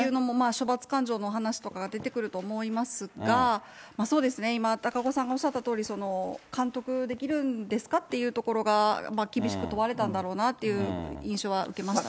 処罰感情の話とかが出てくると思いますが、そうですね、今、高岡さんがおっしゃったとおり、監督できるんですかというところが、厳しく問われたんだろうなという印象は受けましたね。